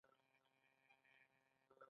دا مینه په اصل کې له یو ځانګړي ځایه سرچینه اخلي